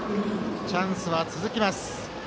チャンスは続きます。